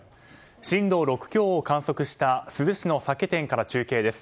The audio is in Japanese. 震度６強を観測した珠洲市の酒店から中継です。